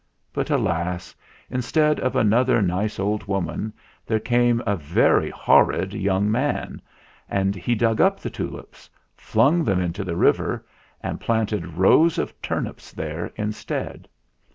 But, alas! instead of another nice old woman, there came a very horrid young man, and he dug up the tulips, flung them into the river, and planted rows of turnips there instead.